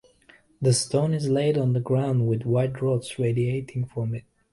The stone is laid on the ground with white rods radiating from it.